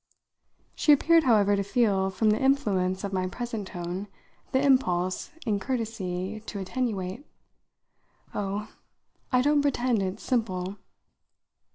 She appeared, however, to feel, from the influence of my present tone, the impulse, in courtesy, to attenuate. "Oh, I don't pretend it's simple!"